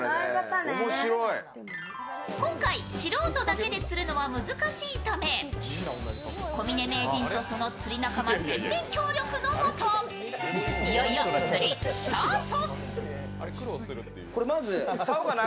今回、素人だけで釣るのは難しいため小峯名人とその釣り仲間全面協力のもといよいよ釣りスタート。